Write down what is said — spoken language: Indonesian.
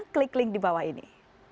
klik link di bawah ini